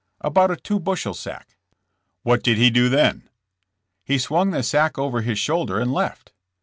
About a two bushel sack." "What did he do then?" He swung the sack over his shoulder and left."